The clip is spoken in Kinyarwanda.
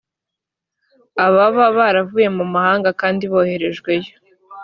ababa baravuye mu mahanga kandi boherejweyo